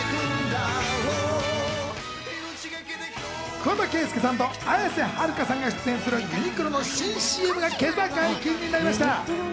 桑田佳祐さんと綾瀬はるかさんが出演するユニクロの新ＣＭが今朝解禁になりました。